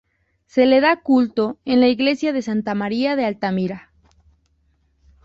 Se la da culto en la iglesia de Santa María de Altamira.